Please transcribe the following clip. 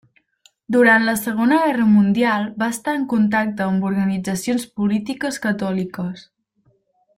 Durant la Segona Guerra Mundial va estar en contacte amb organitzacions polítiques catòliques.